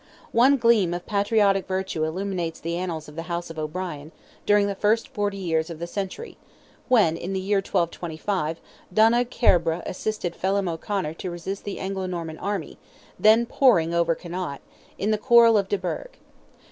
One gleam of patriotic virtue illumines the annals of the house of O'Brien, during the first forty years of the century—when, in the year 1225, Donogh Cairbre assisted Felim O'Conor to resist the Anglo Norman army, then pouring over Connaught, in the quarrel of de Burgh.